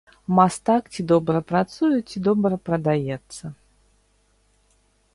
Мастак ці добра працуе, ці добра прадаецца.